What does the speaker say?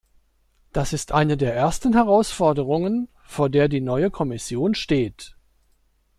Das ist eine der ersten Herausforderungen, vor der die neue Kommission steht.